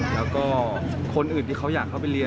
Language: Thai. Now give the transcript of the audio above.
แล้วก็คนอื่นที่เขาอยากเข้าไปเรียน